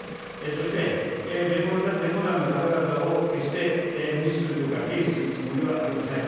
そして、弁護団の方々を決して無視するとか軽視するつもりはありません。